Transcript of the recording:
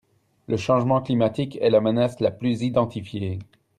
Le changement climatique est la menace la plus identifiée.